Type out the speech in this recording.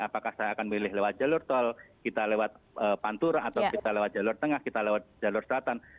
apakah saya akan memilih lewat jalur tol kita lewat pantura atau kita lewat jalur tengah kita lewat jalur selatan